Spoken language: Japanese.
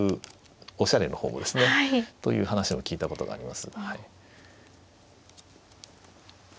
おしゃれの方もですね。という話を聞いたことがあります。